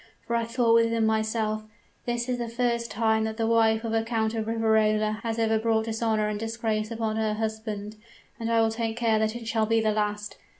For I thought within myself: 'This is the first time that the wife of a Count of Riverola has ever brought dishonor and disgrace upon her husband; and I will take care that it shall be the last.